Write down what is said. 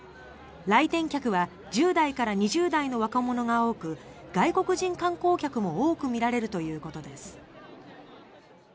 来店客は１０代から２０代の若者が多く外国人観光客も多く見られるということです。